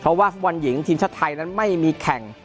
เพราะว่าฟุตบอลหญิงทีมชาติไทยนั้นไม่มีแข่ง